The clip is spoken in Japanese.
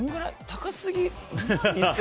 高すぎ。